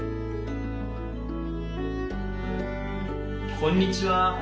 こんにちは。